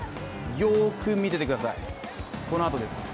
よく見ててください、このあとです。